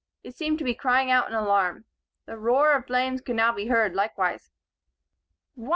It seemed to be crying out in alarm. The roar of flames could now be heard, likewise. "Why!"